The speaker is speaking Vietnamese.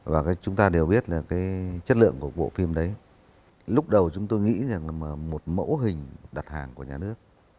và chúng ta đều biết là cái chất lượng của bộ phim đấy lúc đầu chúng tôi nghĩ rằng một mẫu hình đặt hàng của nhà nước